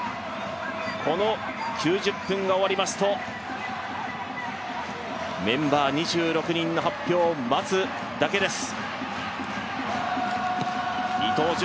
この９０分が終わりますとメンバー２６人の発表を待つだけです。